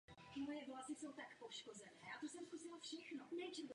Nathan se tedy rozhodne Olafa překvapit a přijede k němu na návštěvu.